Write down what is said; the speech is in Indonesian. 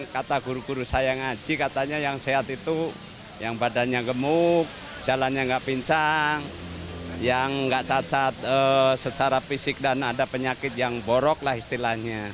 kata guru guru saya ngaji katanya yang sehat itu yang badannya gemuk jalannya nggak pincang yang nggak cacat secara fisik dan ada penyakit yang borok lah istilahnya